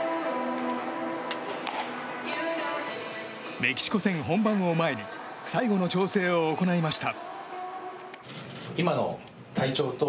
メキシコ戦本番を前に最後の調整を行いました。